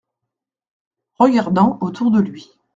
Regardant autour de lui.